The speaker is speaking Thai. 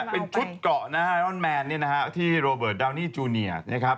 เป็นชุดเกาะไอรอนแมนที่โรเบิร์ตดาวนี่จูเนียร์